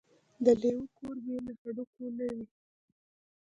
د لېوه کور بې له هډوکو نه وي.